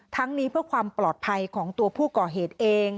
ทั้งนี้เพื่อความปลอดภัยของตัวผู้ก่อเหตุเอง